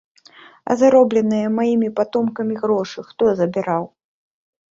А заробленыя маім потам грошы хто забіраў?